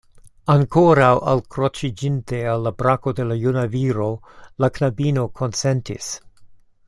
Ankoraŭ alkroĉiĝinte al la brako de la juna viro, la knabino konsentis: